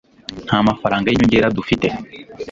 nta mafaranga y'inyongera dufite